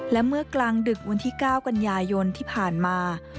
และเมื่อกลางดึกวันที่๙กันยายนที่ผ่านมา